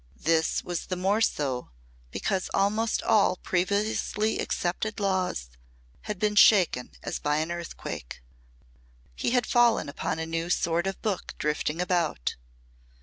This was the more so because almost all previously accepted laws had been shaken as by an earthquake. He had fallen upon a new sort of book drifting about.